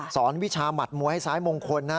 สอนวิชามัดมวยให้ซ้ายมงคล